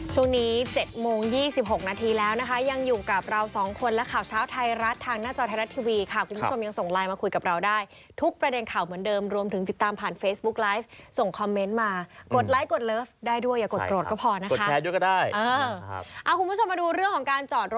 ช่วงนี้๗โมง๒๖นาทีแล้วนะคะยังอยู่กับเราสองคนและข่าวเช้าไทยรัฐทางหน้าจอไทยรัฐทีวีค่ะคุณผู้ชมยังส่งไลน์มาคุยกับเราได้ทุกประเด็นข่าวเหมือนเดิมรวมถึงติดตามผ่านเฟซบุ๊กไลฟ์ส่งคอมเมนต์มากดไลค์กดเลิฟได้ด้วยอย่ากดโกรธก็พอนะคะ